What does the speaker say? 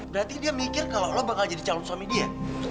berarti dia mikir kalau lo bakal jadi calon suami dia